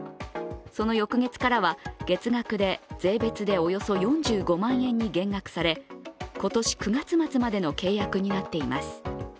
その翌月からは、月額で税別でおよそ４５万円に減額され今年９月末までの契約になっています。